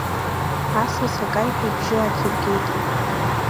Асас акаҩҳәа ибжьы ааҭиргеит.